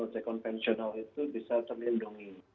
ojek konvensional itu bisa terlindungi